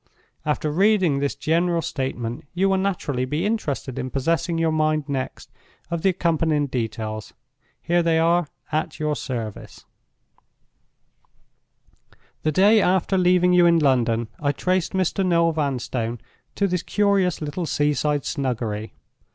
After reading this general statement, you will naturally be interested in possessing your mind next of the accompanying details. Here they are, at your service: "The day after leaving you in London, I traced Mr. Noel Vanstone to this curious little seaside snuggery.